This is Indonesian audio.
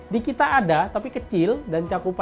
dikita ada tapi kecil dan cakup aja